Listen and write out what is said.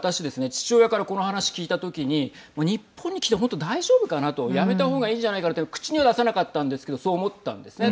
父親からこの話聞いた時に日本に来て、本当に大丈夫かなとやめた方がいいんじゃないかなと口には出さなかったんですけどそう思ったんですね。